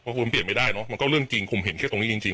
คุณเปลี่ยนไม่ได้เนอะมันก็เรื่องจริงผมเห็นแค่ตรงนี้จริง